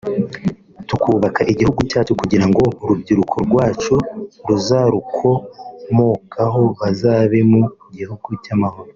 tukubaka igihugu cyacu kugira ngo urubyiruko rwacu n’abazarukomokaho bazabe mu gihugu cy’amahoro